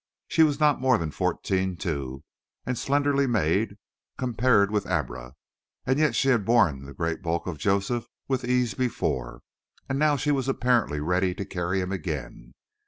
She was not more than fourteen two, and slenderly made compared with Abra, yet she had borne the great bulk of Joseph with ease before, and now she was apparently ready to carry him again.